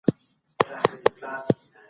ونیسو په مساوي ډول يې بدي کړني وغندو او